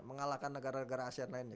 mengalahkan negara negara asean lainnya